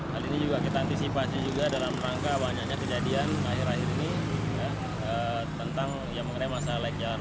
hal ini juga kita antisipasi juga dalam rangka banyaknya kejadian akhir akhir ini tentang yang mengenai masalah like jalan